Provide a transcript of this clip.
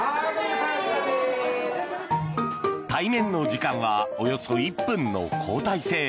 対面の時間はおよそ１分の交代制。